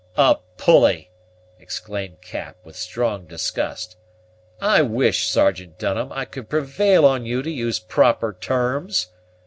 "A pulley!" exclaimed Cap, with strong disgust; "I wish, Sergeant Dunham, I could prevail on you to use proper terms.